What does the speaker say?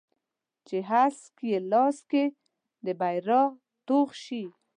چې هسک یې لاس کې د بریا توغ شي